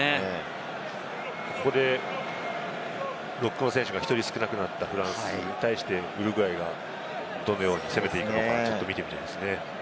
ここでロックの選手が１人少なくなったフランスに対してウルグアイはどのように攻めていくのか見ていきたいですね。